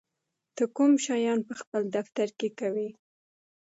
ته کوم شیان په خپل دفتر کې کوې؟